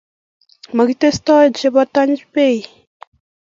Makitestoi chepotany bei.